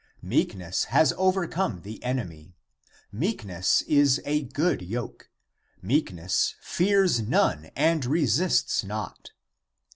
Meekness has overcome the enemy. Meekness is a good yoke. Meek ness fears none and resists not.